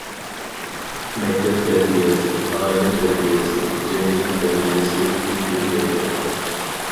مەكتەپ تەربىيەسى، ئائىلە تەربىيەسى، جەمئىيەت تەربىيەسى‹‹ ئۈچ بىر گەۋدە››.